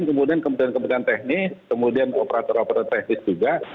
kemudian kemudian kemudian teknis kemudian operator operator teknis juga